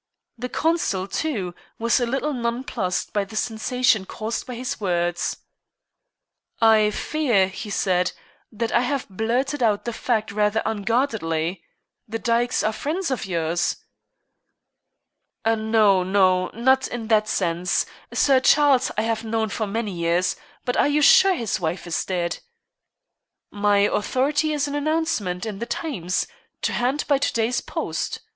The consul, too, was a little nonplussed by the sensation caused by his words. "I fear," he said, "that I have blurted out the fact rather unguardedly. The Dykes are friends of yours?" "No, no, not in that sense. Sir Charles I have known for many years. But are you sure his wife is dead?" "My authority is an announcement in the Times to hand by to day's post.